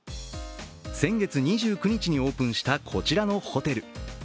先月２９日にオープンしたこちらのホテル。